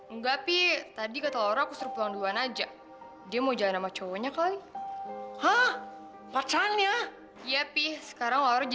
engga pi tadi kata laura aku suruh pulang duluan aja dia mau jalan sama cowoknya kali